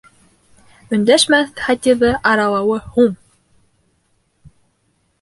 Өндәшмәҫ Хатиҙы аралауы һуң!